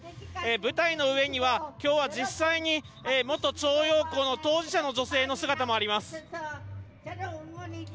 舞台の上には、きょうは実際に元徴用工の当事者の女性の姿もあります。